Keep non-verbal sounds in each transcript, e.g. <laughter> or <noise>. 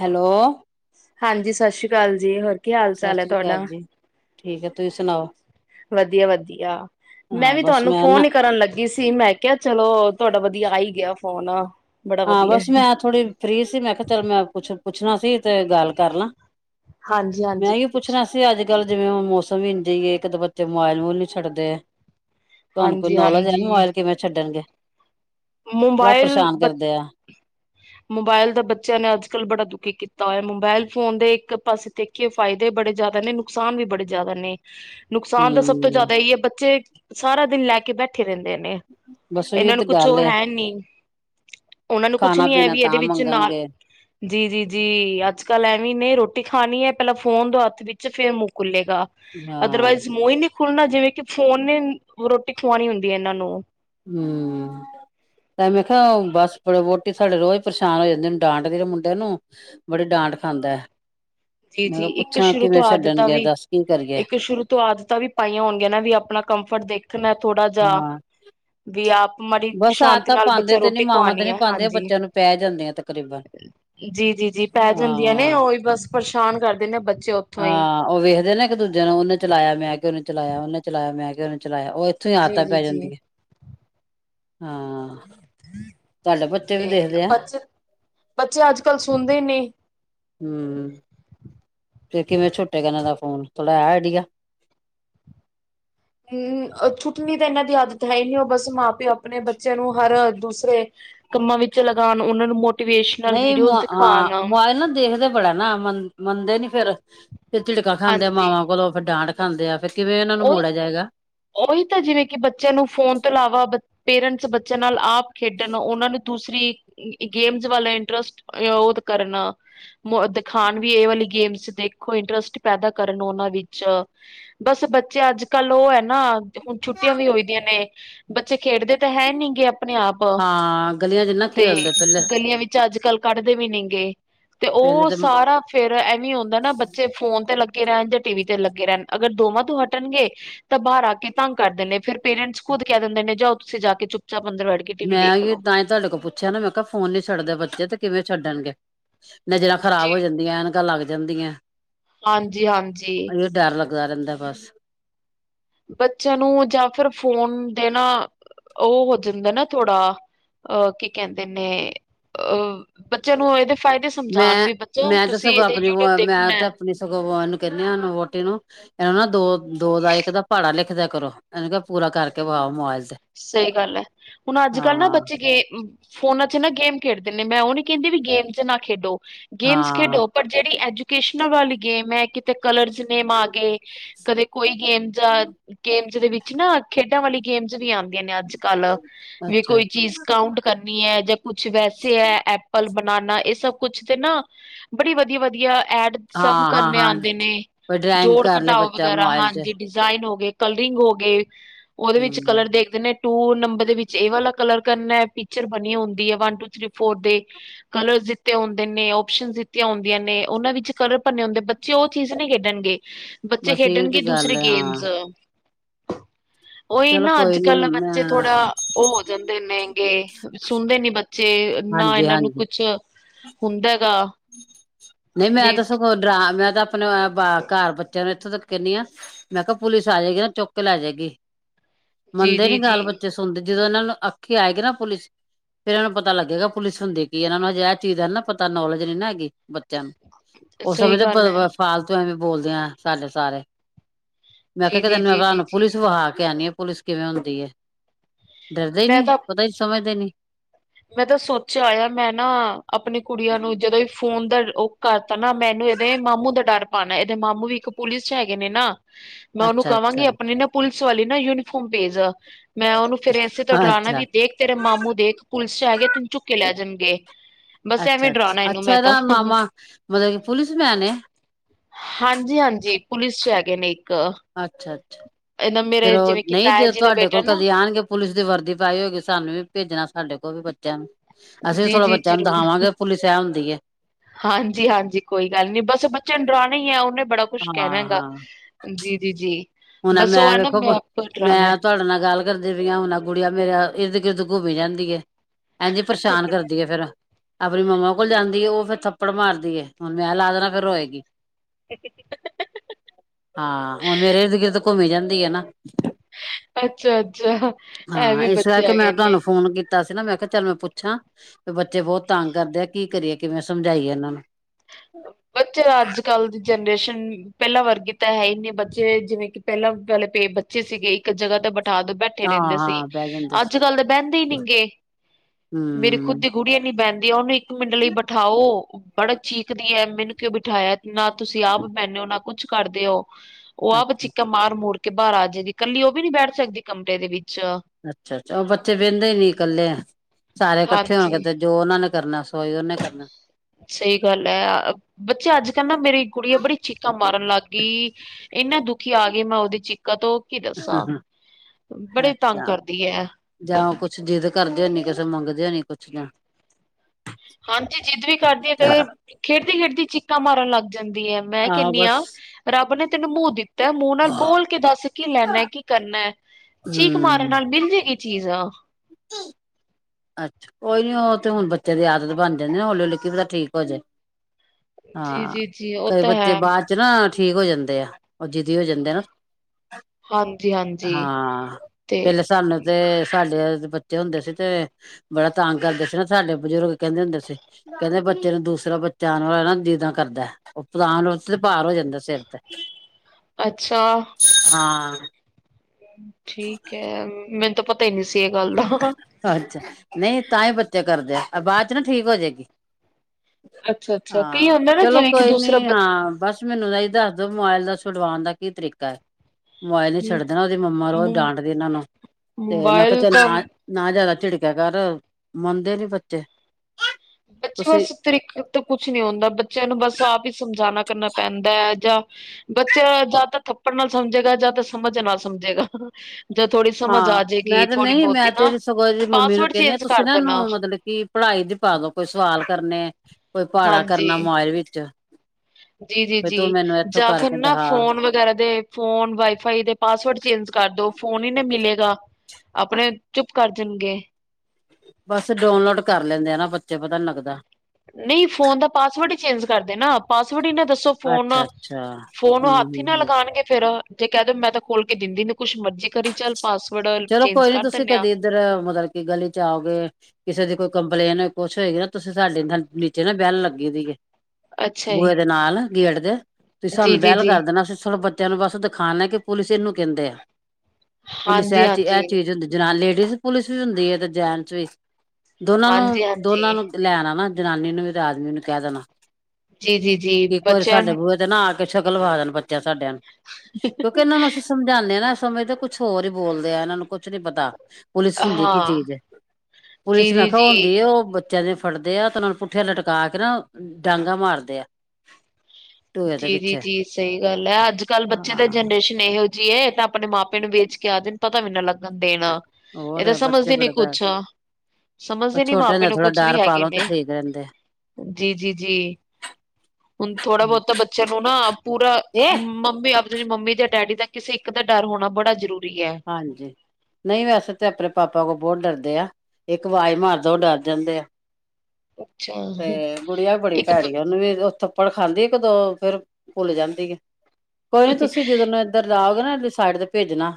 Hello. ਹਾਂਜੀ ਸਤਿ ਸ਼੍ਰੀ ਅਕਾਲ ਜੀ ਹੋ। ਕੀ ਹਾਲ ਚਾਲ ਹੈ ਸ੍ਰੀ ਤੁਹਾਡਾ ਅਕਾਲ ਵਧੀਆ ਜੀ ਠੀਕ ਹੈ ਤੁਸੀਂ ਸੁਣਾਓ । ਵੜਿਆ ਜੀ ਵਧੀਆ ਵਧੀਆ ਮੈਂ ਵੀ ਬਸ ਤੁਹਾਨੂੰ ਨਾ ਫੋਨ ਹੀ ਕਰਨ ਲੱਗੀ ਸੀ ਮੈਂ ਕਿਹਾ। ਤੁਸੀ ਸਾਨੂੰ ਯਾਦ ਨੀ ਕਰਦੇ ਅੱਜ ਕੱਲ। ਚਲੋ । ਹਾਂਜੀ ਤੁਹਾਡਾ ਵਧੀਆ ਆ ਹੀ ਗਿਆ। ਹਾਂਜੀ ਫੋਣਾ । ਹਾਂ ਬਸ ਮੈਂ ਥੋੜ੍ਹੀ ਫਰੀ ਸੀ ਮੈਂ ਕਿਹਾ ਚੱਲ ਮੈਂ ਕੁੱਛ। ਹਾਂਜੀ ਪੁੱਛਣਾ ਸੀ ਤੇ ਗੱਲ ਕਰ ਲ । ਹਾਂਜੀ ਹਾਂਜੀ ਮੈਂ ਇਹ ਪੁੱਛਣਾ ਪੁੱਛੋ ਸੀ ਅੱਜ ਕੱਲ੍ਹ ਜਿਵੇਂ ਮੌਸਮ ਮਂਦੇ ਹੀ ਇੱਕ ਦ ਬੱਤੇ ਮੋਬਾਇਲ ਮਲ ਨ ਛੱਡਦੇ ਆ । ਹਾਂਜੀ ਤੁਹਾਨੂੰ ਕੋਈ ਹਾਂਜੀ ਨੌਲੇਜ ਹੈ ਮੋਬਾਇਲ ਕਿਵੇਂ ਛੱਡਣਗੇ। ਆਪਣੇ ਗੋਪਾਲ ਤੋਂ ਫੋਕਸ । ਮੋਬਾਈਲ ਵਿਗਿਆਨ ਪ੍ਰਦਰਸ਼ਨੀ ਯਾਰ ਤਾਂ ਬੱਸ ਸ਼ੋਕ ਲਗਾਈ ਗਈ ਹੈ ਪੁਰੇ ਕਰਦੇ ਆ ਮੋਬਾਇਲ ਦਾ ਬੱਚਿਆਂ ਨੇ ਅੱਜ ਕੱਲ੍ਹ ਬੜਾ ਦੁਖੀ ਕੀਤਾ ਹੋਇਆ ਮੋਬਾਇਲ ਫ਼ੋਨ ਦੇ ਇੱਕ ਪਾਸੇ ਦੇਖੀਏ ਫਾਇਦੇ ਬੜੇ ਜ਼ਿਆਦਾ ਨੇ ਨੁਕਸਾਨ ਵੀ ਬੜੇ ਜ਼ਿਆਦਾ ਨੇ । ਨੁਕਸਾਨ ਤਾਂ ਸਭ ਤੋਂ ਹੂੰ। ਜ਼ਿਆਦਾ ਇ ਹੈ ਬੱਚੇ ਸਾਰਾ ਦਿਨ ਲੈ ਕੇ ਬੈਠੇ ਰਹਿੰਦੇ ਨੇ ਬਸ ਉਹੀ ਇਹਨਾਂ ਨੂੰ ਤੇ ਕੁੱ ਕੁਛ ਗੱਲ ਉਹ ਏ ਹੈ ਨਹੀਂ ਉਹਨਾਂ ਨੂੰ ਕੁਛ ਖਾਣਾ ਨੀ ਐ ਪੀਣਾ ਵੀ ਇਹਦੇ ਤਾਂ ਵਿੱਚ ਨਾਲ ਮੰਗਣਗੇ ਜੀ ਜੀ ਜੀ ਅੱਜ ਕੱਲ ਐਵੇਂ ਨੇ ਰੋਟੀ ਖਾਣੀ ਹੈ ਪਹਿਲਾਂ ਫੋਨ ਦੋ ਹੱਥ ਵਿੱਚ ਫੇਰ ਮੂੰਹ ਖੁੱਲੇ ਗਾ ਹਾਂ ਅਦਰਵਾਈਜ਼ ਮੂੰਹ ਈ ਖੁੱਲਣਾ ਜਿਵੇਂ ਕਿ ਫੋਨ ਨੇ ਰੋਟੀ ਖਵਾਉਣੀ ਹੁੰਦੀ ਹੈ ਇਹਨਾਂ ਨੂੰ ਹੂੰ ਮੈਂ ਕਿਹਾ ਬਸ ਵਹੁਟੀ ਸਾਡੇ ਰੋਜ਼ ਪਰੇਸ਼ਾਨ ਹੋ ਜਾਂਦੇ ਡਾਂਟ ਦੀ ਮੁੰਡੇ ਨੂੰ ਬੜੀ ਡਾਂਟ ਖਾਂਦਾ ਜੀ ਮੈਂ ਜੀ ਕਿਹਾ ਇੱਕ ਪੁੱਛਾਂ ਸ਼ੁਰੂ ਕਿਵੇਂ ਤੋਂ ਛੱਡਣ ਆਦਤਾਂ ਗਿਆ ਵੀ ਦੱਸ ਕੀ ਕਰੀਏ ਇੱਕ ਸ਼ੁਰੂ ਤੋਂ ਆਦਤਾਂ ਵੀ ਪਾਈਆਂ ਹੋਣਗੀਆਂ ਨੇ ਵੀ ਆਪਣਾ ਕੰਫਰਟ ਦੇਖਣਾ ਥੋੜਾ ਜਾ ਹਾਂ ਵੀ ਆ ਮਾੜੀ ਬਸ ਸ਼ਾਂਤੀ ਆਦਤਾਂ ਨਾਲ ਪਾਉਂਦੇ ਬੱਚਾ ਤੇ ਨੀ ਰੋਟੀ ਮਾਵਾਂ ਤੇ ਖਵਾਉਣੀ ਨੀ ਹੈ ਪਾਉਂਦੇ ਹਾਂਜੀ ਬੱਚਿਆਂ ਨੂੰ ਪੈ ਜਾਂਦੀਆਂ ਤਕਰੀਬਨ ਜੀ ਜੀ ਜੀ ਪੈ ਜਾਂਦੀਆਂ ਨੇ ਹਾਂ ਉਹੀ ਬਸ ਕਰਦੇ ਨੇ ਬੱਚੇ ਉੱਥੋਂ ਹੀ ਹਾਂ ਉਹ ਵੇਖਦੇ ਨਾ ਇੱਕ ਦੂਜੇ ਨੂੰ ਉਹਨੇ ਚਲਾਇਆ ਮੈਂ ਕਿਹਾ ਉਹਨੇ ਚਲਾਇਆ ਉਹਨੇ ਚਲਾਇਆ ਮੈਂ ਕਿਹਾ ਉਹਨੇ ਚਲਾਇਆ ਉਹ ਇੱਥੋਂ ਹੀ ਜੀ ਆਦਤਾਂ ਜੀ ਪੈ ਜੀ ਜਾਂਦੀਆਂ ਹਾਂ ਤੁਹਾਡੇ ਬੱਚੇ ਵੀ ਤੇ ਦੇਖਦੇ ਆ ਬੱਚੇ ਬੱਚੇ ਅੱਜ ਕੱਲ੍ਹ ਸੁਣਦੇ ਨੀ ਹੂੰ ਫਿਰ ਕਿਵੇਂ ਛੋਟੇ <unintelligible> ਫੋਨ ਥੋੜਾ ਹੈ ਆਈ ਡੀਆ ਹੂੰ ਛੁੱਟਣੀ ਤਾਂ ਇਹਨਾਂ ਦੀ ਆਦਤ ਹੈ ਹੀ ਨੀ ਉਹ ਬਸ ਮਾਂ ਪਿਓ ਆਪਣੇ ਬੱਚਿਆਂ ਨੂੰ ਹਰ ਦੂਸਰੇ ਕੰਮਾਂ ਵਿੱਚ ਲਗਾਉਣ ਉਹਨਾਂ ਨੂੰ ਮੋਟੀਵੇਸ਼ਨਲ ਨਹੀਂ ਵੀਡੀਓਜ਼ ਹਾਂ ਦਿਖਾਉਣ ਮੋਬਾਇਲ ਨਾ ਦੇਖਦੇ ਬੜਾ ਨਾ ਮੰਨਦੇ ਨੀ ਫਿਰ ਤੇ ਝਿੜਕਾ ਖਾਂਦੇ ਹਾਂਜੀ ਮਾਵਾਂ ਕੋਲੋਂ ਫਿਰ ਡਾਂਟ ਖਾਂਦੇ ਆ ਫਿਰ ਕਿਵੇਂ ਉਹਨਾਂ ਨੂੰ ਉਹੀ ਮੋੜਿਆ ਜਾਏਗਾ ਉਹੀ ਤਾਂ ਜਿਵੇਂ ਕਿ ਬੱਚਿਆਂ ਨੂੰ ਫੋਨ ਤੋਂ ਇਲਾਵਾ ਪੇਰੈਂਟਸ ਬੱਚਿਆਂ ਨਾਲ ਆਪ ਖੇਡਣ ਉਹਨਾਂ ਨੂੰ ਦੂਸਰੀ ਗੇਮਜ਼ ਵਾਲਾ ਇੰਟਰਸਟ ਉਹ ਕਰਨਾ <unintelligible> ਦਿਖਾਉਣ ਵੀ ਇਹ ਵਾਲੀ ਗੇਮ ਦੇਖੋ ਇੰਟਰਸਟ ਪੈਦਾ ਕਰਨ ਉਹਨਾਂ ਵਿੱਚ ਬਸ ਬੱਚੇ ਅੱਜ ਕੱਲ ਉਹ ਹੈ ਨਾ ਹਾਂ ਤੇ ਹੁਣ ਛੁੱਟੀਆਂ ਵੀ ਹੋਈ ਦੀਆਂ ਨੇ ਬੱਚੇ ਖੇਡਦੇ ਤਾਂ ਹੈ ਨੀ ਗੇ ਆਪਣੇ ਆਪ ਹਾਂ ਗਲੀਆਂ ਚ ਨਾ ਤੇ ਖੇਲਦੇ ਪਹਿਲੇ ਗਲੀਆਂ ਵਿੱਚ ਅੱਜ ਕੱਲ ਕੱਢਦੇ ਵੀ ਨਗੇ ਤੇ ਉਹ ਸਾਰਾ ਫੇਿਰ ਐਵੇਂ ਹੁੰਦਾ ਨਾ ਬੱਚੇ ਫੋਨ ਤੇ ਲੱਗੇ ਲੱਗੇ ਰਹਿਣ ਜਾਂ ਟੀ ਵੀ ਤੇ ਲੱਗੇ ਰਹਿਣ ਅਗਰ ਦੋਵਾਂ ਤੋਂ ਹਟਣਗੇ ਤਾਂ ਬਾਹਰ ਆ ਕੇ ਤੰਗ ਕਰਦੇ ਨੇ ਫੇਿਰ ਪੇਰੈਂਟਸ ਖੁਦ ਕਹਿ ਦਿੰਦੇ ਨੇ ਜਾਂ ਉਹ ਤੁਸੀਂ ਜਾ ਕੇ ਚੁਪ ਮੈਂ ਵੀ ਤਾਂ ਹੀ ਤੁਹਾਡੇ ਕੋਲ ਪੁੱਛਿਆ ਨਾ ਮੈਂ ਕਿਹਾ ਫੋਨ ਨੀ ਛੱਡਦੇ ਬੱਚੇ ਤੇ ਕਿਵੇਂ ਛੱਡਣਗੇ ਨਜ਼ਰਾਂ ਖ਼ਰਾਬ ਹੋ ਜਾਂਦੀਆਂ ਹਨ ਗਾਂ ਲੱਗ ਜਾਂਦੀਆਂ ਹਾਂਜੀ ਹਾਂਜੀ ਗੁਜ਼ਾਰਨ ਦਾ ਬਸ ਬੱਚਿਆਂ ਨੂੰ ਜਾਂ ਫਿਰ ਫੋਨ ਦੇਣਾ ਉਹ ਹੋ ਜਾਂਦਾ ਨਾ ਥੋੜਾ ਅਹ ਕਿ ਕਹਿੰਦੇ ਨੇ ਅਹ ਬੱਚਿਆਂ ਨੂੰ ਇਹਦੇ ਫਾਇਦੇ ਸਮਝਾਉਣ ਮੈਂ ਵੀ ਬੱਚੋ ਮੈਂ ਤਾਂ ਤੁਸੀਂ ਸਗੋਂ ਇਹਦੇ ਯੂਟਿਊਬ ਦੇਖਣਾ ਕਹਿੰਦੇ ਹੂੰ ਵੋਟੀ ਨੂੰ ਇਹ ਨਾ ਦੋ ਦੋ ਦਾ ਇੱਕ ਦਾ ਪੜਾ ਲਿਖਦਾ ਕਰੋ ਇਹਨੂੰ ਕਿਹਾ ਪੂਰਾ ਕਰਕੇ ਵ ਮੁਆਜ਼ ਸਹੀ ਗੱਲ ਹੈ ਹੁਣ ਅੱਜ ਕੱਲ੍ਹ ਨਾ ਬੱਚੇ ਗ ਫੋਨਾਂ ਚ ਨਾ ਗੇਮ ਖੇਡਦੇ ਨੇ ਮੈਂ ਉਹ ਨੀ ਕਹਿੰਦੀ ਵੀ ਗੇਮ ਚ ਨਾ ਖੇਡੋ ਗੇਮਸ ਹਾਂ ਖੇਡੋ ਪਰ ਜਿਹੜੀਜੂ ਸ਼ਨਲ ਵਾਲੀ ਗੇਮ ਹੈ ਕਿਤੇ ਕਲਰਜ ਨੇਮ ਆ ਗਏ ਕਦੇ ਕੋਈ ਗੇਮ ਜਾਂ ਗੇਮ ਦੇ ਵਿੱਚ ਨਾ ਖੇਡਾਂ ਵਾਲੀ ਗੇਮ ਵੀ ਆਉਂ ਨੇ ਅੱਜ ਕੱਲ ਵੀ ਅੱਛਾ ਕੋਈ ਚੀਜ਼ ਅੱਛਾ ਕਾਉਂਟ ਕਰਨੀ ਹੈ ਜਾਂ ਕੁਛ ਵੈਸੇ ਹੈ ਐਪਲ ਬ ਨਾ ਇਹ ਸਭ ਕੁਛ ਤੇ ਨਾ ਬੜੀ ਵਧੀਆ ਵਧੀਆ ਐਡ ਸਮ ਹਾਂ ਹਾਂ ਕਰਨੇ ਹਾਂ ਆਉਂਦੇ ਨੇ ਕੋਈ ਡਰਾਇੰਗ ਜੋੜ ਕਰ ਲਏ ਘਟਾਓ ਬੱਚਾ ਵਗੈਰਾ ਮੋਬਾਇਲ ਹਾਂ ਚ ਜੀ ਡਿਜ਼ਾਇਨ ਹੋ ਗਏ ਕਲਰਿੰਗ ਹੋ ਗਏ ਉਹਦੇ ਵਿੱਚ ਹਮ ਕਲਰ ਦੇਖਦੇ ਨੇ ਟੂ ਨੰਬਰ ਦੇ ਵਿੱਚ ਇਹ ਵਾਲਾ ਕਲਰ ਕਰਨਾ ਪਿਕਚਰ ਬਣੀ ਹੁੰਦੀ ਹੈ ਵਨ ਟੂ ਥ੍ਰੀ ਫੋ ਦੇ ਕਲਰ ਤੇ ਹੁੰਦੇ ਨੇ ਓਪਸ਼ਨ ਦਿੱਤੀਆਂ ਹੁੰਦੀਆਂ ਨੇ ਉਹਨਾਂ ਵਿੱਚ ਕਲਰ ਭੰਨੇ ਹੁੰਦੇ ਬੱਚੇ ਉਹ ਚੀਜ਼ ਨਹੀਂ ਖੇਡਣਗੇ ਬੱਚੇ ਬਸ ਇਹ ਤੇ ਖੇਡਣਗੇ ਗੱਲ ਦੂਸਰੇ ਹੈ ਹਾਂ ਗੇਮਸ ਉਹੀ ਚਲੋ ਅੱਜ ਕੋਈ ਨੀ ਕੱਲ ਮੈਂ ਬੱਚੇ ਥੋੜਾ ਉਹ ਹੋ ਜਾਂਦੇ ਨੇ ਹੈਗੇ ਸੁਣਦੇ ਨੀ ਬੱਚੇ ਨਾ ਹਾਂਜੀ ਇਹਨਾਂ ਨੂੰ ਹਾਂਜੀ ਕੁਛ ਹੁੰਦਾ ਹੈਗਾ ਨਹੀਂ ਮੈਂ ਵੀ ਤਾਂ ਸਗੋਂ ਡਰਾ ਹਾਂ ਮੈਂ ਤਾਂ ਆਪਣੇ ਘਰ ਬੱਚਿਆਂ ਨੂੰ ਇੱਥੋਂ ਤ ਕਹਿਣੀ ਆ ਮੈਂ ਕਿਹਾ ਪੁਲਿਸ ਆ ਜਾਏਗੀ ਨਾ ਚੁੱਕ ਲੈ ਜਾਏਗੀ। ਜੀ ਮੰਨਦੇ ਨੀ ਜੀ ਗੱਲ ਜੀ ਬੱਚੇ ਸੁਣਦੇ। ਜਦੋਂ ਇਹਨਾਂ ਨੂੰ ਅਖੀ ਆਏਗੀ ਨਾ ਪੁਲਿਸ ਫਿਰ ਇਹਨਾਂ ਨੂੰ ਪਤਾ ਲੱਗੇਗਾ ਪੁਲਿਸ ਹੁੰਦੀ ਕੀ ਇਹਨਾਂ ਨੂੰ ਹਜੇ ਇਹ ਚੀਜ਼ ਹੈ ਨਾ ਪਤਾ ਨੌਲੇਜ ਨਹੀਂ ਨਾ ਹੈਗੀ ਬੱਚਿਆਂ ਨੂੰ ਉਹ ਸਹੀ ਸਮਝਦੇ ਗੱਲ ਹੈ ਫਾਲਤੂ ਐਵੇਂ ਬੋਲਦੇ ਆ ਸਾਡੇ ਸਾਰੇ ਮੈਂ ਜੀ ਕਿਹਾ ਜੀ ਜੀ ਜੀ ਤੈਨੂੰੈਂੂੰ ਜੀ ਪੁਲਿਸ ਵੇਖਾ ਕੇ ਆਉਂਨੀ ਆ ਪੁਲਿਸ ਕਿਵੇਂ ਹੁੰਦੀ ਹੈ। ਡਰਦੇ ਮੈਂ ਨੀ ਤਾਂ ਪਤਾ ਹੀ ਸਮਝਦੇ ਨੀ ਮੈਂ ਤਾਂ ਸੋਚਿਆ ਹੋਇਆ ਮੈਂ ਨਾ ਆਪਣੀ ਕੁੜੀਆਂ ਨੂੰ ਜਦੋਂ ਫੋਨ ਦਾ ਉਹ ਕਰਤਾ ਨਾ ਮੈਨੂੰ ਇਹਦੇ ਮਾਮੂ ਦਾ ਡਰ ਪਾਉਣਾ ਇਹਦੇ ਮਾਮੂ ਵੀ ਇੱਕ ਪੁਲਿਸ ਚ ਹੈਗੇ ਨੇ ਨਾ ਮੈਂ ਉਹਨੂੰ ਅੱਛਾ ਅੱਛਾ ਕਹਾਂਗੀ ਆਪਣੇ ਨਾ ਪੁਲ ਵਾਲੀ ਨਾ ਯੂਨੀਫਾਰਮ ਭੇਜ਼ ਮੈਂ ਉਹਨੂੰ ਫਿਰ ਇਸੇ ਤੋਂ ਡਰਾਉਣਾ ਅੱਛਾ ਵੀ ਦੇਖ ਤੇਰੇ ਮਾਮੂ ਦੇਖ ਚ ਹੈਗੇ ਤਨੂੰ ਚੁੱਕ ਕੇ ਲੈ ਜਾਣਗੇ ਬਸ ਐਵੇਂ ਅੱਛਾ ਡਰਾਉਣਾ ਇਹਨੂੰ ਅੱਛਾ ਮੈਂ ਤਾਂ ਇਹਦਾ ਮਾਮਾ ਮਤਲਬ ਕਿ ਪੁਲਿਸ ਮੈਨ ਹੈ ਹਾਂਜੀ ਹਾਂਜੀ ਪੁਲਿਸ ਚ ਹੈਗੇ ਨੇ। ਅੱਛਾ ਇਹਦਾ ਫਿਰ ਮੇਰੇ ਉਹ ਜਿਵੇਂ ਕਿ ਨਹੀਂ ਤਾਇਆ ਜੋਂ ਜੀ ਦਾ ਤੁਹਾਡੇ ਬੇਟਾ ਕੋਲ ਨਾ ਕਦੇ ਆਉਣਗੇ ਪੁਲਿਸ ਦੀ ਵਰਦੀ ਪਾਈ ਹੋਗੀ ਸਾਨੂੰ ਵੀ ਭੇਜਣਾ ਸਾਡੇ ਕੋਲ ਵੀ ਬੱਚੇ ਚ ਅਸੀਂ ਵੀ ਜੀ ਥੋੜਾ ਜੀ ਬੱਚਿਆਂ ਨੂੰ ਜ਼ਰੂਰ ਦਿਖਾਵਾਂਗੇ ਪੁਲਸ ਏਹ ਹੁੰਦੀ ਹੈ ਹਾਂਜੀ ਹਾਂਜੀ ਕੋਈ ਗੱਲ ਨਹੀਂ ਬਸ ਬੱਚੇ ਡਰਾਣੇ ਹੀ ਹੈ ਉਹਨੇ ਬੜਾ ਕੁਛ ਹਾਂ ਕਹਿਣਾ ਹੈਗਾ ਹਾਂ ਜੀ ਜੀ ਜੀ ਹੁਣ ਬਸ ਉਹ ਮੈਂ ਹੈ ਨਾ ਵੇਖੋ ਮੈਪ ਡਰਾਣਾ। ਮੈਂ ਤੁਹਾਡੇ ਨਾਲ ਗੱਲ ਕਰਦੇ ਪਹੀਆਂ ਹੁਣਾ ਗੁੜੀਆਂ ਮੇਰਾ ਇਰਦ ਗਿਰਦ ਘੁੰਮੀ ਜਾਂਦੀ ਇੰਝ ਪਰੇਸ਼ਾਨ ਕਰਦੀ ਆ ਫਿਰ ਆਪਣੀ ਮੰਮਾ ਕੋਲ ਜਾਂਦੀ ਹੈ ਉਹ ਫਿਰ ਥੱਪੜ ਮਾਰਦੀ ਹੈ ਹੁਣ ਮੈਂ ਲਾ ਦੇਣਾ ਫਿਰ ਰੋਏਗੀ। ਹਾਂ ਹੁਣ ਮੇਰੇ ਇਦ ਗਿਦ ਜਾਂਦੀ ਹੈ ਨਾ। ਅੱਛਾ ਅੱਛਾ ਐ ਹਾਂ ਵੀ ਇਸ ਬੱਚੇ ਕਰਕੇ ਮੈਂ ਆਗੇਏ ਨੇ। ਤੁਹਾਨੂੰ ਫੋਨ ਕੀਤਾ ਸੀ ਨਾ ਮੈਂ ਕਿਹਾ ਚੱਲ ਮੈਂ ਪੁੱਛਾਂ ਵੀ ਬੱਚੇ ਬਹੁਤ ਤੰਗ ਕਰਦੇ ਆ ਕੀ ਕਰੀਏ ਕਿਵੇਂ ਸਮਝਾਈਏ ਇਹਨਾਂ ਨੂੰ ਬੱਚੇ ਅੱਜ ਕੱਲ੍ਹ ਦੀ ਜਨਰੇਸ਼ਨ ਪਹਿਲਾਂ ਵਰਗੀ ਤਾਂ ਹੈ ਇੰਨੇ ਬੱਚੇ ਜਿਵੇਂ ਕਿ ਪਹਿਲਾਂ ਵਾਲੇ ਪ ਬੱਚੇ ਸੀਗੇ ਇੱਕ ਜਗ੍ਹਾ ਦਾ ਬ ਬਠਾਦ ਬੈਠੇ ਰਹਿੰਦੇ ਸੀ ਹਾਂ-ਹਾਂ ਬਹਿ ਜਾਂਦੇ ਅੱਜ ਸੀ ਕੱਲ ਤਾਂ ਬਹਿੰਦੇ ਹੀ ਨੀ ਗਗੇ ਮੇਰੀ ਹੂੰ ਖੁੱਦ ਦੀ ਕੁੜੀਆਂ ਨੀ ਬਹਿੰਦੀ ਵਧ ਉਹਨੂੰ ਇੱਕ ਮਿੰਟ ਲਈ ਬਿਠਾਓ ਬੜਾ ਚੀ ਦੀ ਹੈ ਮੈਨੂੰ ਕਿ ਬਿਠਾਇਆ ਨਾ ਤੁਸੀਂ ਆਪ ਬਹਨਦੇ ਹੋ ਨਾ ਕੁਛ ਕਰਦੇ ਹੋ। ਉਹ ਆ ਬ ਅੱਛਾ-ਅੱਛਾ, ਚੀਕਾ ਮਾਰ ਮੂਰ ਕੇ ਬਾਹਰ ਆਜੇ ਦੀ ਇਕੱਲੀ ਉਹ ਵੀ ਨੀ ਬੈਠ ਸਕਦੀ ਕਮਰੇ ਦੇ ਵਿੱਚ। ਅੱਛਾ ਅੱਛਾ ਉਹ ਬੱਚੇ ਵਹਿੰਦੇ ਹੀ ਨੀ ਇਕੱਲੇ ਆ ਸਾਰੇ ਇਕੱਠੇ ਹੋਣਗੇ ਹਾਂਜੀ। ਤੇ ਜੋ ਉਹਨਾਂ ਨੇ ਕਰਨਾ ਸੋਈੇ ਕਰਨਾ। ਸਹੀ ਗੱਲ ਹੈ ਬੱਚੇ ਅੱਜ ਕੱਲ੍ਹ ਨਾ ਮੇਰੀ ਕੁੜੀ ਆ ਬੜੀ ਚੀਕਾਂ ਮਾਰਨ ਲੱਗ ਕਿ ਇੰਨਾ ਦੁਖੀ ਆ ਗਏ ਮੈਂ ਉਹਦੇ ਚ ਬੜੇ ਤੰਗ ਅੱਛਾ ਕਰਦੀ ਹੈ ਜਾਂ ਉਹ ਕੁਛ ਜਿੱਦ ਕਰਦੇ ਹੋਣੀ ਕਿਸੇ ਮੰਗਦੇ ਹੋਣੀ। ਕੁਛ ਨਾ। ਹਾਂਜੀ ਜਿੱਦ ਵੀ ਕਰਦੀ ਹੈ ਕਦੇ ਖੇਡਦੀ ਖੇਡਦੀ ਚ ਮਾਰਨ ਲੱਗਦਾ। ਜਾਂਦੀ ਹੈ ਮੈਂ ਆਹ ਕਹਿੰਨੀ ਬਸ ਹਾਂ ਰੱਬ ਨੇ ਤਨੂੰ ਮੂੰਹ ਦਿੱਤੀ। ਤਾਂ ਮੂੰਹ ਨਾਲ ਬੋਲ ਕੇ ਦੱਸ ਕੀ ਲੈਣਾ ਕੀ ਕਰਨਾ। ਚੀਕ ਮਾਰਨ ਨਾਲ ਮਿਲ ਜਾਗੀ ਚੀਜ਼ ਆ। ਤ। ਅੱਛਾ ਕੋਈ ਨੀ ਉਹ ਤੇ ਹੁਣ ਜੇ ਦੀ ਆਦਤ ਬਣ ਜਾਂਦੀ ਨਾ ਲੀਓਲੀਖੀ ਪਤਾ ਠੀਕ ਹੋ ਜਾਏ। ਜੀ ਹਾਂ ਜੀ ਜੀ ਉਹ ਕਈ ਤਾਂ ਬੱਚੇ ਹੈ ਬਾਅਦ ਚ ਨਾ ਠੀਕ ਹੋ ਜਾਂਦੇ ਆ ਉਹ ਜਿਦੀ ਹੋ ਜਾਂਦੇ ਆ ਨਾ। ਹਾਂਜੀ ਹਾਂਜੀ ਹਾਂ ਤੇ ਪਹਿਲੇ ਸਾਨੂੰ ਤੇ ਸਾਡੇ ਬੱਚੇ ਹੁੰਦੇ ਸੀ ਤੇ ਬੜਾ ਤੰਗ ਕਰਦੇ ਸੀ ਨਾ ਸਾਡੇ ਬਜ਼ੁਰਗ ਕਹਿੰਦੇ ਹੁੰਦੇ ਸੀ ਕਹਿੰਦੇ ਬੱਚੇ ਨੂੰ ਦੂਸਰਾ ਬੱਚਾ ਆਉਣ ਵਾਲਾ ਨਾ ਜੀਦਾਂ ਕਰਦਾ ਉਹ ਪਤਾ ਤੇ ਪਾਰ ਹੋ ਜਾਂਦਾ। ਦਾ ਸਿਰ ਤੇ ਅੱਛਾ ਹਾਂ। ਠੀਕ ਹੈ, ਮੈਂ ਤ ਪਤਾ ਈ ਨੀ ਸੀ। ਇਹ ਗੱਲ ਦਾ ਅੱਛਾ, ਨਹੀਂ ਤਾਂਹੀ ਬੱਚੇ ਕਰਦੇ ਆ ਅ ਬਾਦ ਚ ਨਾ ਠੀਕ ਹੋ ਜੇਗੀ। ਅੱਛਾ ਅੱਛਾ ਕਈ ਹਾਂ, ਹੁੰਦਾ ਨਾ ਚਲੋ ਜਿਵੇਂ ਕਿ ਕੋਈ ਨੀ ਦੂਸਰਾ ਹਾਂ ਬਸ ਮੈਨੂੰ ਨ ਅਹੀ ਦੱਸ ਦੋ ਮੋਬਾਇਲ ਦਾ ਤੁੜਵਾਣ ਦਾ ਕੀ ਤਰੀਕਾ ਏ ਮੋਬਾਇਲ ਨੀ ਛੱਡਦੇ ਨਾ ਓਦੀ ਮੰਮਾ ਰੋਜ਼ ਡਾਂਟਦੀ ਏਨਾਂ ਨੂੰ ਤੇ ਮੈਂ ਕਿਆ ਮੋਬਾਇਲ ਚਲ ਤਾਂ ਨਾਲ ਨਾ ਜੈਦਾ ਝਿੜਕਿਆ ਕਾਰ ਮੰਨਦੇ ਨੀ ਬੱਚੇ। ਬੱਚੇ ਤੁਸੀਂ ਓਸ ਤਰੀਕੇ ਤੇ ਕੁਛ ਨੀ ਹੋਦਾ ਬੱਚਿਆਂ ਨੂੰ ਬਸ ਆਪ ਹੀ ਸਮਝਾਣਾ ਨਾ ਪੈਂਦੈ। ਅਜਾਂ ਬੱਚਾ ਜਾਂ ਤਾਂ ਥੱਪੜ ਨਾਲ ਸਮਝੇਗਾ, ਜਾਂ ਤਾਂ ਸਮਝ ਨਾਲ ਸਮਝੇਗਾ। ਜਾਂ ਥੋੜ੍ਹੀ ਸਮਝ ਹਾਂ, ਆ ਜਾਏਗੀ ਮੈਂ ਤੇ ਥੋੜ੍ਹੀ ਨਹੀਂ ਮੈਂ ਬਹੁਤੀ ਤੇ ਨਾ ਏਦੀ ਸਗੋਂ ਏਦੀ ਮੰਮੀ ਨੂੰ ਪਾਸਵਰਡ ਕੈੰਣੀ ਆਂ ਚੇਂਜ ਤੁਸੀਂ ਕਰ ਨਾ ਦੇਣਾ ਐਨੂੰ ਮਤਲਬ ਕਿ ਪੜ੍ਹਾਈ ਦੀ ਪਾ ਦੋ। ਕੋਈ ਸਵਾਲ ਕਰਨੇ। ਕੋਈ ਭਾੜਾ ਹਾਂਜੀ ਕਰਨਾ ਮੋਆਈਲ ਵਿੱਚ। ਜੀ ਜੀ ਵੀ ਤੂੰ ਜੀ, ਮੈਨੂੰ ਇੱਥੋਂ ਜਾਂ ਫਿਰ ਕਰਕੇ ਨਾ ਦਿਖਾ ਫੋਨ ਵਗੈਰਾ ਦੇ, ਫੋਨ ਵਾਈਫਾਈ ਦੇ ਪਾਸਵਰਡ ਚੇਂਜ ਕਰਦੋ। ਫੋਨ ਹੀ ਨਾ ਮਿਲੇਗਾ ਆਪਣੇ ਚੁੱਪ ਕਰ ਜਾਣਗੇ। ਬਸ ਡੌਨਲੋਡ ਕਰ ਲੈਂਦੇ ਆ ਨਾ ਬੱਚ ਬੱਚੇ ਪਤਾ ਨੀ ਲੱਗਦਾ। ਨਹੀਂ ਫੋਨ ਦਾ ਪਾਸਵਰਡ ਹੀ ਚੇਂਜ ਕਰਦੇ ਨਾ, ਪਾਸਵਰਡ ਹੀ ਨਾ ਦੱਸੋ ਫੋਨ ਅੱਛਾ ਅੱਛਾ ਫੋਨ ਨੂੰ ਹੂੰ ਹੱਥ ਹੀ ਹੂੰ ਨਾ ਹੂੰ ਲਗਾਣਗੇ ਫੇਰ। ਤੇ ਕੈ ਦੇ ਮੈਂ ਤਾਂ ਖੋਲ ਕੇ ਦਿੰਦੀ ਨੀ ਕੁਛ ਮਰਜ਼ੀ ਕਰੀ ਚੱਲ। ਪਾਸਵਰਡ ਚਲੋ ਚੇਂਜ ਕੋਈ ਨੀ ਕਰ ਤੁਸੀਂ ਦਿੰਨੇ ਆ ਕਦੀ ਇੱਧਰ ਮਤਲਬ ਕੀ ਗਲੀ ਚ ਆਓਗੇ, ਕਿਸੇ ਦੀ ਕੋਈ ਕੰਪ ਪਲੇਨ ਕੁਛ ਹੋਏਗੀ ਨਾ ਤੁਸੀਂ ਸਾਡੇ ਨਾਲ ਨੀਚੇ ਨਾ ਬੈਲ ਲੱਗੀ ਦੀਏ। ਅੱਛਾ ਬੂਹੇ ਜੀ ਦੇ ਨਾਲ। ਗੇਟ ਦੇ ਤੁਸੀਂ ਜੀ ਸਾਨੂੰ ਜੀ ਬੈਲ ਜੀ ਕਰ ਦੇਣਾ ਅਸੀ ਸਲਬੱ ਤ ਐਨੂੰ ਬਸ ਦਿਖਾਣੈ ਕਿ ਪੁਲਿਸ ਇਨੂੰ ਕੈੰਦੇ ਆ। ਹਾਂਜੀ ਹਾਂਜ ਐ ਚੀਜ਼ ਹੁੰਦੀ ਨਾਲ ਲੇਡੀਜ਼ ਪੁਲਿਸ ਵੀ ਹੁੰਦੀ ਏ ਤੇ ਜੈਂਟਸ ਵੀ। ਦੋਨਾਂ ਨੂੰ ਹਾਂਜੀ ਹਾਂਜੀ ਦੋਨਾਂ ਨੂੰ ਲੈ ਆਣਾ ਨਾ। ਜਨਾਨੀ ਨੂੰ ਵੀ ਤੇ ਆਦਮੀ ਨੂੰ ਕੈ ਦੇਣਾ। ਜੀ ਜੀ ਜੀ ਇੱਕ ਵਾਰੀ ਬੱਚਿਆਂ ਸਾਡੇ ਬੂਹੇ ਤੇ ਨਾ ਆ ਕੇ ਸ਼ਕਲ ਵੇਖਾ ਦੇਣਾ ਬੱਚਿਆਂ ਸਾਡਿਆਂ ਨੂੰ। ਕਿਉਂਕਿ, ਏਨਾਂ ਨੂੰ ਅਸੀਂ ਸਮਝਾਂਦੇ ਆਂ ਨਾ ਸਮੇਂ ਤਾਂ ਕੁੱਛ ਹੋਰ ਹੀ ਬੋਲਦੇ। ਇਹਨਾਂ ਨੂੰ ਕੁੱਛ ਨੀ ਪਤਾ। ਪੁਲਿਸ ਹੁੰਦੀ ਹੈ ਕੀ ਹਾਂ ਚੀਜ਼ ਹੈ ਜੀ ਪੁਲਿਸ ਮੈਂ ਜੀ ਕਿਹਾ ਜੀ ਹੁੰਦੀ ਉਹ ਬੱਚਿਆਂ ਜ ਫੜਦੇ ਆ ਤੇ ਉਹਨਾਂ ਨੂੰ ਪੁੱਠੀਆਂ ਲਟਕਾ ਕੇ ਨਾ ਡਾਂਗਾ ਮਾਰਦੇ ਆ। ਟੂਏ ਦੇ ਜੀ ਜੀ ਪਿੱਛੇ ਜੀ ਸਹੀ ਗੱਲ ਹੈ ਅੱਜ ਕੱਲ ਬੱਚੇ ਦੀ ਹਾਂ ਜਨਰੇਸ਼ਨ ਇਹੋ ਜਿਹੀ ਹੈ ਤਾਂ ਆਪਣੇ ਮਾਪਿਆਂ ਨੂੰ ਵੇਚ ਕੇ ਆ ਜਾਣ। ਪਤਾ ਵੀ ਲੱਗਾ। ਦੇਣਾ ਇਹ ਤਾਂ ਹੋਰ ਬੱਚੇ ਸਮਝਦੇ ਨੀ ਬੜੇ ਭੈੜੇ ਕੁਛ ਪਰ ਸਮਝਦੇ ਨੀ ਛੋਟੇ ਮਾਪੇ ਹੁੰਦੇ ਨੂੰ ਥੋੜਾ ਕੁਛ ਵੀ ਡਰ ਪਾ ਹੈਗੇ ਲੋ ਤੇ ਨੇ ਠੀਕ ਰਹਿੰਦੇ ਜੀ ਜੀ ਜੀ ਹੁਣ ਥੋੜਾ ਬਹੁਤ ਬੱਚਿਆਂ ਨੂੰ ਨਾ ਪੂਰਾ ਇਹ ਮੰਮੀ ਆਪਦੀ ਮੰਮੀ ਦੇ ਡੈਡੀ ਦਾ ਕਿਸੇ ਇੱਕ ਦਾ ਡਰ ਹੋਣਾ ਬੜਾ ਜ਼ਰੂਰੀ ਹੈ। ਹਾਂਜੀ ਨਹੀਂ ਵੈਸੇ ਤੇ ਆਪਣੇ ਪਾਪਾ ਕੋਲ ਬਹੁਤ ਡਰਦੇ ਆ। ਇੱਕ ਆਵਾਜ਼ ਮਰਦਾ ਉਹ ਡਰ ਜਾਂਦੇ ਆ। ਅੱਛਾ ਤੇ ਗੁੜੀਆਂ ਵੀ ਬੜੀ ਇੱਕ ਭੈੜੀ ਉਹਨੂੰ ਵੀ ਉੱਥੋਂ ਪੜ ਖਾਂਦੀ ਇੱਕ ਦੋ ਫਿਰ ਭੁੱਲ ਜਾਂਦੀ ਆ। ਕੋਈ ਨੀ ਤੁਸੀਂ ਜਦੋਂ ਨੂੰ ਇੱਧਰ ਜਾਓਗੇ ਨਾ ਸਾਈਡ ਤੇ ਭੇਜਣਾ।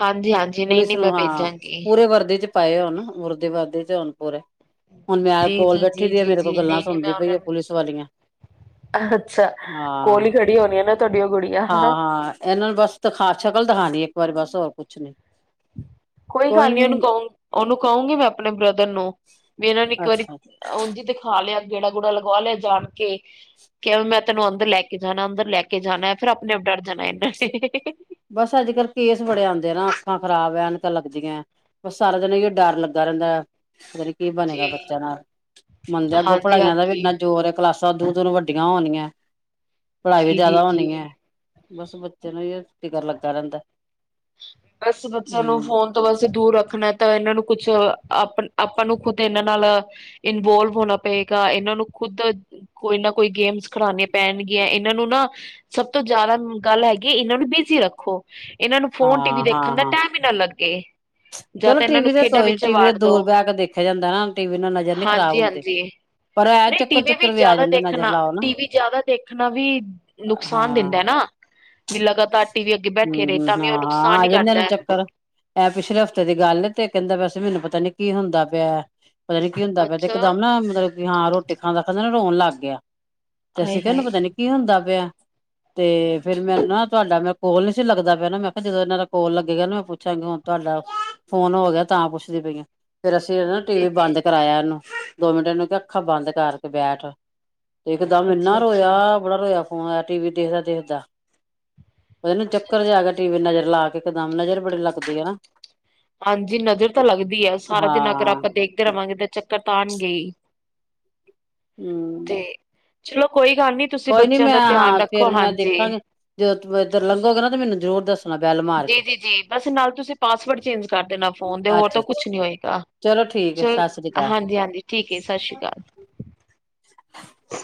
ਹਾਂਜੀ ਹਾਂਜੀ ਨਹੀਂ ਪੁਲਿਸ ਨਹੀਂ ਮੈਂ ਨੂੰ ਹਾਂ ਭੇਜਾਂਗੀ। ਪੂਰੇ ਵਰਦੀ ਚ ਪਾਏ ਹੋਣ ਮੁਰਦੇ ਵਾਦੇ ਚ ਹੋਣ ਪੂਰੇ ਹੁਣ ਮੈਂ ਜੀ ਕੋਲ ਜੀ ਉਠੀ ਜੀ ਦੀ ਹੈ ਜੀ ਮੇਰੇ ਕੋਲ ਜੀ ਗੱਲਾਂ ਨਹੀਂ ਨਹੀਂ ਸੁਣਦੀ ਮੈਂ ਪਈ ਉਹਨਾਂ ਆ ਪੁਲਿਸ ਵਾਲੀਆਂ ਨੂੰ ਅੱਛਾ ਕੋਲ ਹਾਂ ਹੀ ਖੜੀ ਹੋਣੀ ਆ ਨਾ ਤੁਹਾਡੀ ਉਹ ਗੁੜੀਆ ਹਾਂ ਹਾਂ ਇਹਨਾਂ ਨੂੰ ਬਸ ਦਿਖਾ ਸ਼ਕਲ ਦਿਖਾਉਣੀ। ਵਾਰੀ ਬਸ ਹੋਰ ਕੁਛ ਨੀ। ਕੋਈ ਗੱਲ ਨੀ ਉਹਨੂੰ ਕਹੂੰ ਉਹਨੂੰ ਕਹੂੰਗੀ ਮੈਂ ਆਪਣੇ ਬ੍ਰਦਰ ਨੂੰ ਵੀ ਇਹਨਾਂ ਨੂੰ ਇੱਕ ਅੱਛਾ ਵਾਰੀ ਉਝ ਦਿਖਾ ਲਿਆ ਗੇੜਾ ਗੂੜਾ ਲਗਵਾ ਲਿਆ ਜਾਣ ਕੇ ਕਿ ਮੈਂ ਤੈਨੂੰ ਅੰਦਰ ਲੈ ਕੇ ਜਾਣਾ ਅੰਦਰ ਲੈ ਕੇ ਜਾਣਾ ਫਿਰ ਆਪਣੇ ਆਪ ਡਰ ਜਾਣਾ ਇਹਨਾਂ ਨੇ। ਬਸ ਅੱਜ ਕੱਲ ਕੇਸ ਬੜੇ ਆਉਂਦੇ ਨਾ ਅੱਖਾਂ ਖਰਾਬ ਆ ਐਨਕ ਲੱਗਦੀਆਂ। ਬ ਸਾਰਾ ਦਿਨ ਹੀ ਡਰ ਲੱਗਾ ਰਹਿੰਦਾ ਹੈ। ਪਤਾ ਨੀ ਕੀ ਬਣੇਗਾ ਜੀ ਬੱਚਿਆਂ ਨਾਲ ਮੰਨਦੇ ਅੱਗੋਂ ਪੜ੍ਹਾਈਆਂ ਦਾ ਵੀ ਹਾਂਜੀ-ਹਾਂਜੀ, ਇੰਨਾ ਜ਼ੋਰ ਹੈ ਕਲਾਸਾਂ ਸ ਦੂ ਦੋਨ ਵੱਡੀਆਂ ਹੋਣੀਆਂ। ਪੜ੍ਹਾਈ ਵੀ ਜਿਆਦਾ ਹੋਣੀ ਜੀ-ਜੀ-ਜੀ। ਹੈ ਬਸ ਬੱਚੇ ਨੂੰ ਹੀ ਟਿਗਰ ਲੱਗਾ ਰਹਿੰਦਾ। ਬਸ ਬੱਚਿਆਂ ਨੂੰ ਹੂੰ। ਫੋਨ ਤੋਂ ਬਸੇ ਦੂਰ ਰੱਖਣਾ ਤਾਂ ਇਹਨਾਂ ਨੂੰ ਕੁਛ ਆਪ ਆਪਾਂ ਨੂੰ ਖੁੱਦ ਇਹਨਾਂ ਨਾਲ ਇਨਵੋਲਵ ਹੋਣਾ ਪਏਗਾ ਇਹਨਾਂ ਨੂੰ ਖੁੱਦ ਕੋਈ ਨਾ ਕੋਈ ਗੇਮਸ ਖਿਡਉਣੀਆਂ ਪੈਣਗੀਆਂ ਇਹਨਾਂ ਨੂੰ ਨਾ ਸਭ ਤੋਂ ਜ਼ਿਆਦਾ ਗੱਲ ਹੈਗੀ ਇਹਨਾਂ ਨੂੰ ਬਿਜ਼ੀ ਰੱਖੋ ਇਹ ਫੋਨ ਟੀ ਵੀ ਹਾਂ ਦੇਖਣ ਹਾਂ ਦਾ ਹਾਂ ਟਾਈਮ ਹੀ ਨਾ ਲੱਗਦਾ। ਗੇ ਚਲੋ ਟੀ ਵੀ ਤੇ ਤ ਟੀ ਵੀ ਤੇ ਦੋ ਦੂਰ ਬਹਿ ਕੇ ਦੇਖਿਆ ਜਾਂਦਾ ਨਾ ਟੀ ਵੀ ਨਾਲ ਨਜ਼ਰ ਨੀ ਖਰਾਬ ਹੁੰਦੀ ਹਾਂਜੀ-ਹਾਂਜੀ ਪਰ ਐ ਨਹੀਂ ਟੀ ਚੱਕਰ ਚੁੱਕਰ ਵੀ ਆ ਜ਼ਿਆਦਾ ਜਾਂਦੇ ਨਜ਼ਰ ਦੇਖਣਾ ਲਾਓ ਨਾ ਟੀ ਵੀ ਜ਼ਿਆਦਾ ਦੇਖਣਾ ਵੀ ਨੁਕਸਾਨ ਹਾਂ ਦਿੰਦਾ ਨਾ ਵੀ ਲਗਾਤਾਰ ਟੀ ਵੀ ਅੱਗੇ ਬੈਠੇ ਰਹੇ ਹੂੰ ਤਾਂ ਹਾਂ ਵੀ ਉਹਨੂੰ ਹਾਂ ਆ ਜਾਂਦੇ ਨੂੰ ਚੱਕਰ ਐ ਪਿਛਲੇ ਹਫ਼ਤੇ ਦੀ ਗੱਲ ਤੇ ਕਹਿੰਦਾ ਵੈਸੇ ਮੈਨੂੰ ਪਤਾ ਪਤਾ ਨਹੀਂ ਕੀ ਹੁੰਦਾ ਪਿਆ ਪਤਾ ਨੀ ਕੀ ਹੁੰਦਾ ਪਿਆ ਤੇ ਅੱਛਾ। ਇੱਕਦਮ ਨਾ ਮਤਲਬ ਹਾਂ ਰੋਟੀ ਖਾਂਦਾ ਖਾਂਦਾ ਨਾ ਰੋਣ ਲੱਗ ਗਿਆ ਤੇ ਹਾਏ ਅਸੀਂ ਕਿਹਾ ਹਾਏ। ਏਨੂੰ ਪਤਾ ਨੀ ਕੀ ਹੁੰਦਾ ਪਿਆ ਤੇ ਫੇਰ ਮੈਨੂੰ ਨਾ ਤੁਹਾਡਾ ਮੈਂ ਕੋਲ ਨੀ ਸੀ ਲੱਗ ਪਿਆ ਨਾ ਮੈਂ ਕਿਹਾ ਜਦੋਂ ਇਹਨਾਂ ਦਾ ਕੋਲ ਲੱਗੇਗਾ ਨੂੰ ਮੈਂ ਪੁੱਛਾਂਗੀ ਹੁਣ ਤੁਹਾਡਾ ਫੋਨ ਹੋ ਗਿਆ ਤਾਂ ਪੁੱਛਦੀ ਪਈ ਆ ਫੇਰ ਅਸੀਂ ਓਦਾ ਨਾ ਟੀ ਜੀ ਵੀ ਜੀ ਬੰਦ ਕਰਾਇਆ ਉਹਨੂੰ ਦੋ ਮਿੰਟ ਨੂੰੂੰ ਕਿ ਅੱਖਾਂ ਬੰਦ ਕਰਕੇ ਬੈਠ ਇਕ ਦਮ ਅੱਛਾ ਅੱਛਾ ਇੰਨਾ ਅੱਛਾ। ਰੋਇਆ ਬੜਾ ਰੋਇਆ ਫੋਨ ਟੀ ਵੀ ਦੇਖਦਾ ਦੇਖਦਾ। ਪਤਾ ਨੀ ਅੱਛਾ ਚੱਕਰ ਚ ਅੱਛਾ ਆ ਗਿਆ ਟੀ ਵੀ ਅੱਛਾ। ਨਜ਼ਰ ਲਾ ਕੇ ਇਕਦਮ ਨਜ਼ਰ ਬੜੀ ਲੱਗਦੀ ਆ ਨਾ ਹਾਂਜੀ ਨਜ਼ਰ ਤਾਂ ਲੱਗਦੀ ਹੈ ਸਾਰਾ ਦਿਨ ਅਗਰ ਹਾਂ। ਆਪਾਂ ਦੇਖਦੇ ਰਹਾਂਗੇ ਤਾਂ ਚੱਕਰ ਤਾਂ ਆਨ ਗੇ ਹੀ ਹੂੰ ਤੇ ਚਲੋ ਕੋਈ ਗੱਲ ਨੀ। ਤੁਸੀਂ ਕੋਈ ਨੀ ਬੱਚਿਆਂ ਮੈਂ ਦਾ ਧਿਆਨ ਹਾਂ ਰੱਖੋ ਫੇਰ ਮੈਂ ਹਾਂਜੀ। ਦੇਖਾਂਗੀ ਜੇ ਇੱਧਰ ਲੰਘੋਗੇ ਨਾ ਤੇ ਮੈਨੂੰ ਹੋਰ ਦਸ ਜੀ ਜੀ ਜੀ ਬਸ ਨਾਲ ਤੁਸੀਂ ਪਾਸਵਰਡ ਚੇਂਜ ਕਰ ਦੇਣਾ ਫੋਨ ਦੇ ਹੋਰ ਤਾਂ ਅੱਛਾ-ਅੱਛਾ ਕੁਛ ਨਹੀਂ ਹੋਏਗਾ ਚਲੋ ਠੀਕ ਹੈ ਚਲ ਸਤਿ ਸ੍ਰੀ ਅਕਾਲ। ਹਾਂਜੀ ਹਾਂਜੀ ਠੀਕ ਹੈ ਸਤਿ ਸ਼੍ਰੀ ਅਕਾਲ। ਸ ਸ